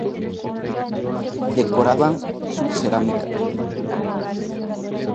Decoraban su cerámica.